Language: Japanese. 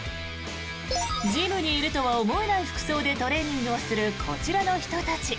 ジムにいるとは思えない服装でトレーニングをするこちらの人たち。